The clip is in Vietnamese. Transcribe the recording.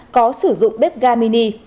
có sử dụng bếp ga mini